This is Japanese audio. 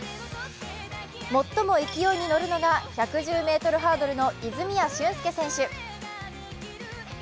最も勢いに乗るのが１１０ｍハードルの泉谷駿介選手。